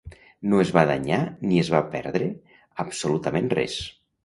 No es va danyar ni es va perdre absolutament res.